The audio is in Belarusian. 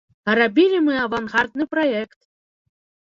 А рабілі мы авангардны праект!